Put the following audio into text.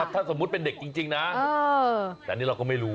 ถ้าสมมุติเป็นเด็กจริงนะแต่อันนี้เราก็ไม่รู้